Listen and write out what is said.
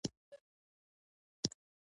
د بازار بدلون د نوې تګلارې اړتیا پیدا کوي.